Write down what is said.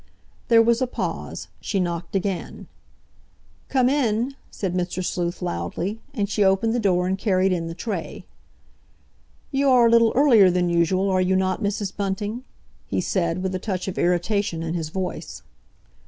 There was a pause—she knocked again. "Come in," said Mr. Sleuth loudly, and she opened the door and carried in the tray. "You are a little earlier than usual, are you not Mrs. Bunting?" he said, with a touch of irritation in his voice.